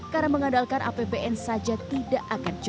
karena mengandalkan apbn saja tidak akan terjadi